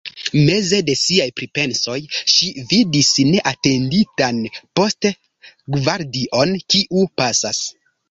Meze de siaj pripensoj, ŝi vidis neatenditan post-gvardion, kiu pasas.